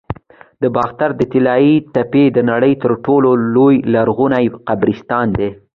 د باختر د طلایی تپې د نړۍ تر ټولو لوی لرغوني قبرستان دی